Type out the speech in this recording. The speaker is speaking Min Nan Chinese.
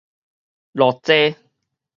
落災